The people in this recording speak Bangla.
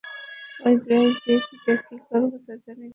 ঐ ব্রাশ নিয়ে কি যে করব, তা জনি না।